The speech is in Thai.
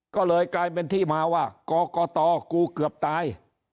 ก็เลยกลายเป็นที่มาว่ากรกตูเกือบตาย